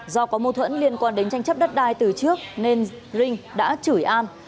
do có mâu thuẫn liên quan đến tranh chấp đất đai từ trước nên rinh đã chửi an